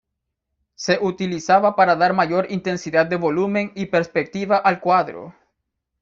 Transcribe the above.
Se utilizaba para dar mayor intensidad de volumen y perspectiva al cuadro.